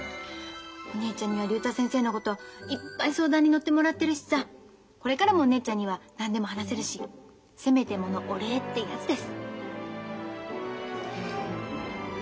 お姉ちゃんには竜太先生のこといっぱい相談に乗ってもらってるしさこれからもお姉ちゃんには何でも話せるしせめてものお礼ってやつです。